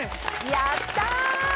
やった！